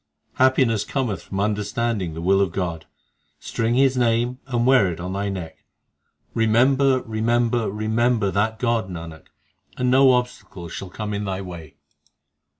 Happiness cometh from understanding the will of God ; String His name and wear it on thy neck ; Remember, remember, remember that God, Nanak, and no obstacle shall come in thy way.